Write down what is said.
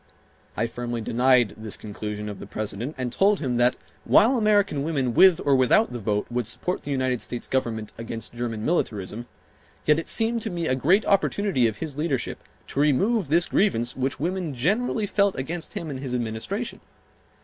I firmly denied this conclusion of the President and told him that while American women with or without the vote would support the United States Government against German militarism, yet it seemed to me a great opportunity of his leadership to remove this grievance which women generally felt against him and his administration.